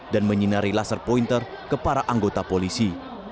dan menyinari laser pointer ke para anggota polisi